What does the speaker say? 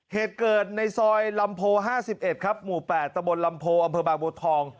เหตุเกิดในซอยลำโพห้าสิบเอ็ดครับหมู่แปดตะบนลำโพอำเภอบาคบทอง